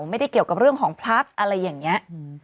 ไม่ได้เกี่ยวกับเรื่องของพระอะไรอย่างนี้